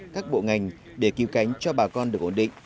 các bộ ngành để cứu cánh cho bà con được ổn định